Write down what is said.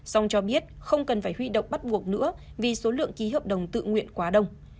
song cho biết không cần phải huy động bắt buộc nữa vì số lượng ký hợp đồng tự nguyện quá đông